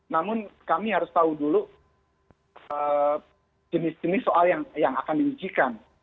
namun kami harus tahu dulu jenis jenis soal yang akan diujikan